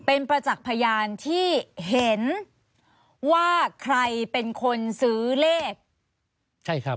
เป็นประจักษ์พยานที่เห็นว่าใครเป็นคนซื้อเลขใช่ครับ